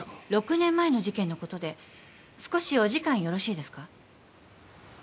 ６年前の事件のことで少しお時間よろしいですか？